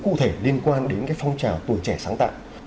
cụ thể liên quan đến phong trào tuổi trẻ sáng tạo